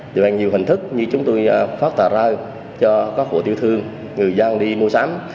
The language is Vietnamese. điều hành nhiều hình thức như chúng tôi phát tà rai cho các hộ tiêu thương người dân đi mua sắm